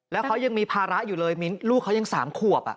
แล้วเขายังมีภาระอยู่เลยมิ้นลูกเขายัง๓ขวบ